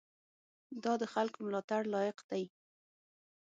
دا د خلکو ملاتړ لایق دی.